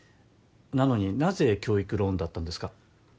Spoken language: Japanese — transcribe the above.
なのになぜ教育ローンだったんですか？